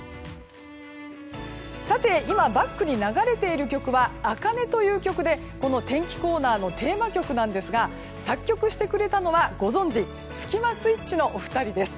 さて、今バックに流れている曲は「茜」という曲で天気コーナーのテーマ曲なんですが作曲してくれたのはご存じスキマスイッチのお二人です。